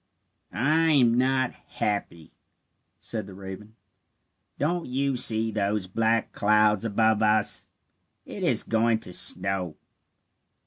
"I am not happy," said the raven. "Don't you see those black clouds above us? It is going to snow."